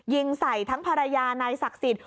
ยิงใส่ทั้งภรรยานายศักดิ์สิทธิ